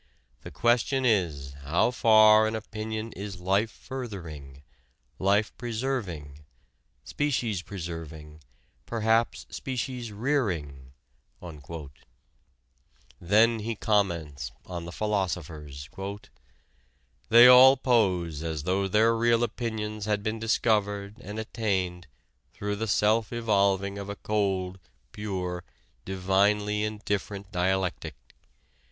The question is, how far an opinion is life furthering, life preserving, species preserving, perhaps species rearing...." Then he comments on the philosophers. "They all pose as though their real opinions had been discovered and attained through the self evolving of a cold, pure, divinely indifferent dialectic...